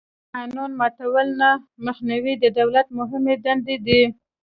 د قانون ماتولو نه مخنیوی د دولت مهمې دندې دي.